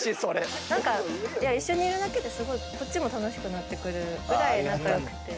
一緒にいるだけでこっちも楽しくなってくるぐらい仲良くて。